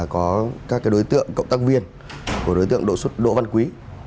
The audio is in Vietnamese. có các đối tượng cộng tác viên của đối tượng đỗ văn quý